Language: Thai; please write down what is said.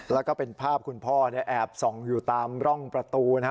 แล้วก็เป็นภาพคุณพ่อแอบส่องอยู่ตามร่องประตูนะฮะ